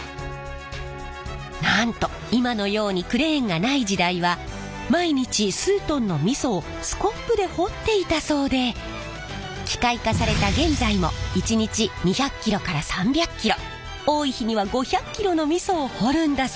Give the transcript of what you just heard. なんと今のようにクレーンがない時代は毎日数トンの味噌をスコップで掘っていたそうで機械化された現在も一日２００キロから３００キロ多い日には５００キロの味噌を掘るんだそうです！